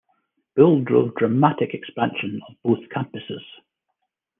Bill drove dramatic expansion of both campuses.